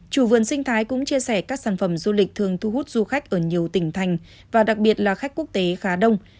chủ vườn sinh thái cũng chia sẻ các sản phẩm du lịch thường thu hút du khách ở nhiều tỉnh thành và đặc biệt là khách quốc tế khá đông